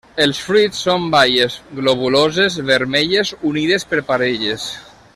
Els fruits són baies globuloses vermelles, unides per parelles.